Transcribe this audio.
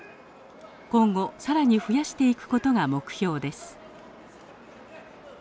今後更に増やしていくことが目標です。